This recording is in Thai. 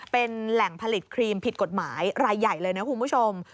เป็นแหล่งผลิตครีมผิดกฎหมายรายใหญ่เลยนะคุณผู้ชม